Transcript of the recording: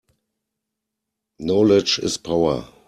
Knowledge is power.